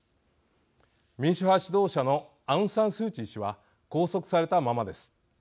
民主派指導者のアウン・サン・スー・チー氏は拘束されたままです。